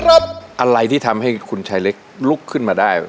อะไรที่ทำให้คุณชายเล็กลุกขึ้นมาได้